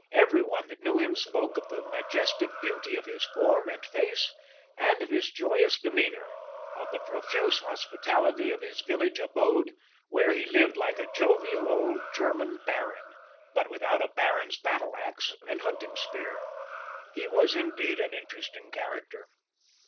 Every one that knew him spoke of the majestic beauty of his form and face, of his joyous demeanor, of the profuse hospitality of his village abode, where he lived like a jovial old German baron, but without a baron's battle axe and hunting spear. He was indeed an interesting character.